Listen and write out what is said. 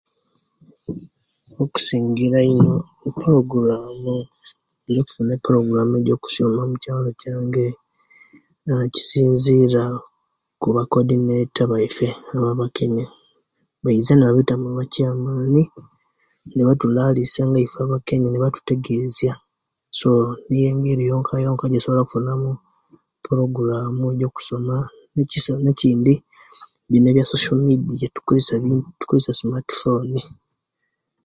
"Okusingira eino ""epuroguraamu"" eyo'kusoma epuloguramu gyo'kusoma omukyaalo kyange aah gisinzirira okuba ""kodinaita"" baisu abakenye, baiza nebabitamu ""omubakyeyamani"" omukyaalo ne'batulalusya nga iswe abakenye; so niyo engeri yonkayonka ejesobola okufunamu ""epuroguraamu"" ejokusoma ne'kindi ebindi bino ""abya'social media"" tukozesya ino tukozesa ""smart phone""."